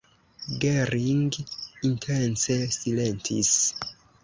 Gering intence silentis.